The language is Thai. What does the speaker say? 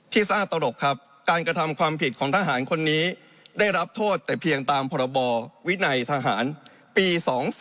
ซ่าตลกครับการกระทำความผิดของทหารคนนี้ได้รับโทษแต่เพียงตามพรบวินัยทหารปี๒๔